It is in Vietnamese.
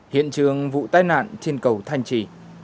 hiện trường vụ tai nạn trên cầu thanh trì